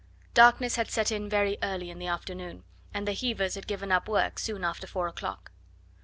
Darkness had set in very early in the afternoon, and the heavers had given up work soon after four o'clock.